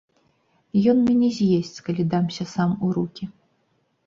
Ён мяне з'есць, калі дамся сам у рукі.